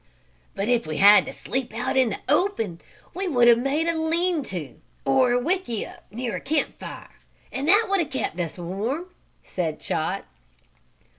"But if we had to sleep out in the open, we would have made a lean to, or a wickiup, near a camp fire, and that would have kept us warm," said Chot.